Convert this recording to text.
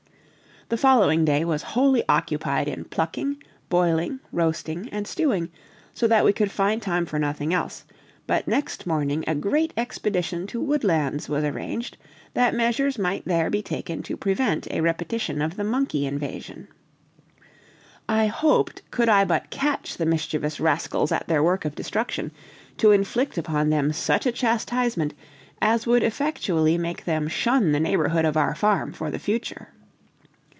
The following day was wholly occupied in plucking, boiling, roasting, and stewing, so that we could find time for nothing else; but next morning a great expedition to Woodlands was arranged, that measures might there be taken to prevent a repetition of the monkey invasion. I hoped, could I but catch the mischievous rascals at their work of destruction, to inflict upon them such a chastisement as would effectually make them shun the neighborhood of our farm for the future.